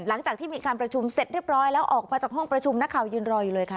หลังจากที่มีการประชุมเสร็จเรียบร้อยแล้วออกมาจากห้องประชุมนักข่าวยืนรออยู่เลยค่ะ